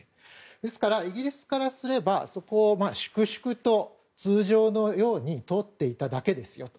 ですから、イギリスからすればそこを粛々と通常のように通っていただけですよと。